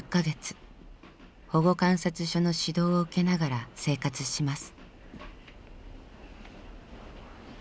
保護観察所の指導を受けながら生活します。